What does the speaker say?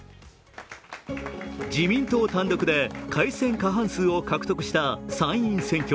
自民党単独で改選過半数を獲得した参院選挙。